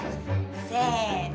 せの。